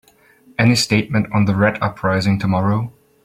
Any statement on the Red uprising tomorrow?